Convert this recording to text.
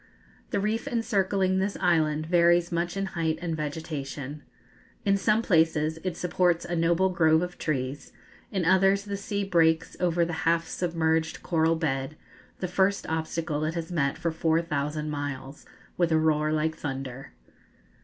The reef encircling this island varies much in height and vegetation. In some places it supports a noble grove of trees, in others the sea breaks over the half submerged coral bed, the first obstacle it has met for 4,000 miles, with a roar like thunder.